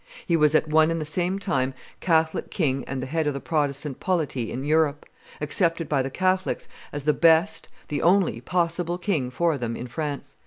He was, at one and the same time, Catholic king and the head of the Protestant polity in Europe, accepted by the Catholics as the best, the only possible, king for them in France.